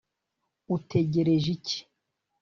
utegereje iki